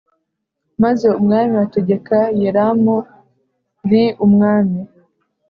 Maze umwami ategeka Yeram li umwana